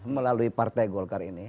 melalui partai golkar ini